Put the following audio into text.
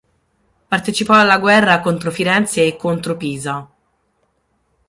Partecipò alla guerra contro Firenze e contro Pisa.